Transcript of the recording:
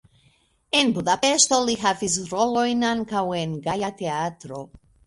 En Budapeŝto li havis rolojn ankaŭ en "Gaja Teatro".